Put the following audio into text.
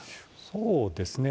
そうですね。